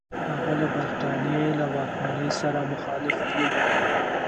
هغه له برټانیې له واکمنۍ سره مخالف وو.